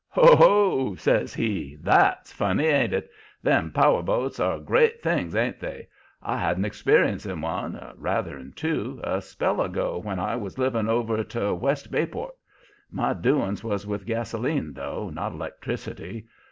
"Ho, ho!" says he. "That's funny, ain't it. Them power boats are great things, ain't they. I had an experience in one or, rather, in two a spell ago when I was living over to West Bayport. My doings was with gasoline though, not electricity.